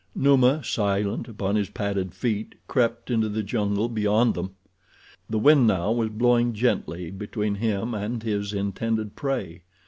Numa, silent upon his padded feet, crept into the jungle beyond them. The wind, now, was blowing gently between him and his intended prey.